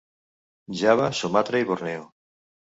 Java, Sumatra i Borneo.